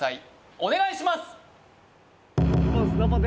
お願いします